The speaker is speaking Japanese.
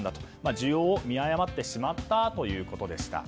需要を見誤ってしまったということでした。